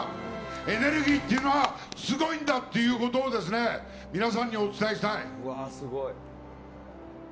エネルギーっていうのはすごいんだっていうことを皆さんにお伝えしたい。